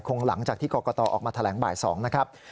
หลังจากที่กรกตออกมาแถลงบ่าย๒นะครับ